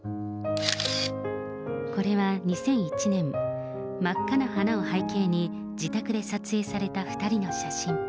これは２００１年、真っ赤な花を背景に、自宅で撮影された２人の写真。